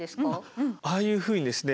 ああいうふうにですね